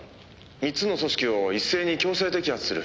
３つの組織を一斉に強制摘発する。